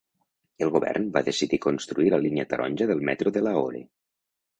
El govern va decidir construir la línia taronja del metro de Lahore.